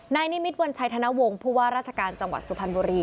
นิมิตวัญชัยธนวงศ์ผู้ว่าราชการจังหวัดสุพรรณบุรี